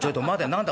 何だ？